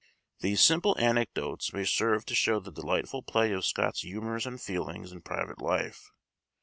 These simple anecdotes may serve to show the delightful play of Scott's humors and feelings in private life.